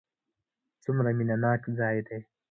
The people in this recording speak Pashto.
څومره مینه ناک ځای دی.